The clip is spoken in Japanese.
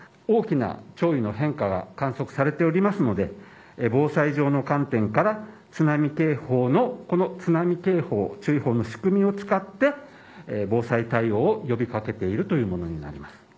大きな潮位の変化が観測されていますので防災上の観点から津波警報注意報の仕組みを使って防災対応を呼び掛けているものになります。